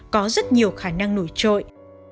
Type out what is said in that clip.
có rất nhiều khả năng nổi trội